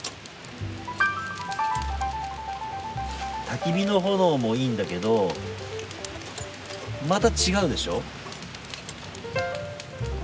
たき火の炎もいいんだけどまた違うでしょ？